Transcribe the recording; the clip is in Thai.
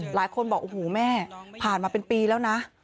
หลายคนบอกโอ้โหแม่ผ่านมาเป็นปีแล้วนะ